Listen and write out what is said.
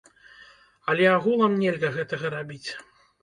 Але агулам нельга гэтага рабіць.